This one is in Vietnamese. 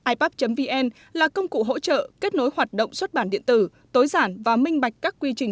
ipad vn là công cụ hỗ trợ kết nối hoạt động xuất bản điện tử tối giản và minh bạch các quy trình